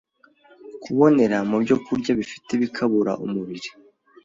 kubonera mu byokurya bifite ibikabura umubiri.